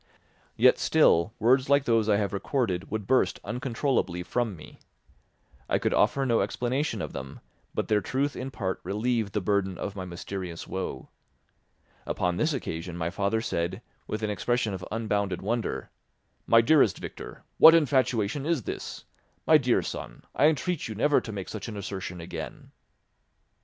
Yet, still, words like those I have recorded would burst uncontrollably from me. I could offer no explanation of them, but their truth in part relieved the burden of my mysterious woe. Upon this occasion my father said, with an expression of unbounded wonder, "My dearest Victor, what infatuation is this? My dear son, I entreat you never to make such an assertion again."